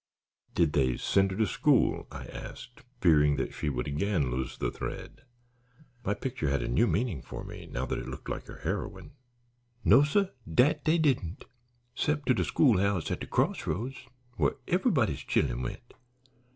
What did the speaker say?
"Did they send her to school?" I asked, fearing she would again lose the thread. My picture had a new meaning for me now that it looked like her heroine. "No, suh, dat dey didn't, 'cept to de schoolhouse at de cross roads whar everybody's chillen went.